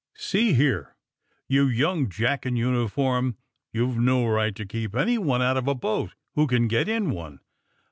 See here, you young jack in uniform, youVe no right to keep anyone out of a boat who can get in one